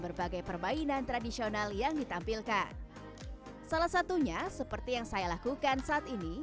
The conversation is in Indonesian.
berbagai permainan tradisional yang ditampilkan salah satunya seperti yang saya lakukan saat ini